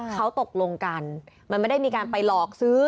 เขาตกลงกันมันไม่ได้มีการไปหลอกซื้อ